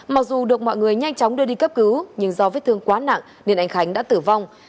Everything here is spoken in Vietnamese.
mọi người nhanh chóng đưa đi cấp cứu nhưng do vết thương quá nặng nên anh khánh đã tử vong